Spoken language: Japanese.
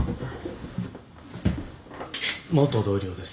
元同僚です。